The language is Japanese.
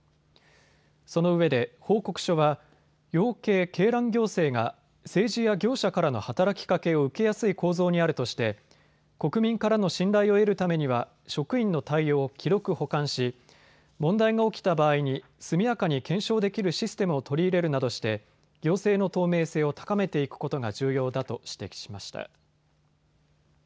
そのうえで報告書は養鶏・鶏卵行政が政治や業者からの働きかけを受けやすい構造にあるとして国民からの信頼を得るためには職員の対応を記録・保管し問題が起きた場合に速やかに検証できるシステムを取り入れるなどして行政の透明性を高めていくことが重要だと指摘しました。